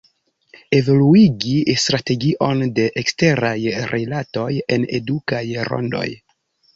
Evoluigi strategion de eksteraj rilatoj en edukaj rondoj.